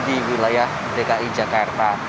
di wilayah dki jakarta